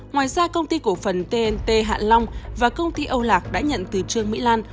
ngoài ra công ty cổ phần tnt hạ long và công ty âu lạc đã nhận từ trương mỹ lan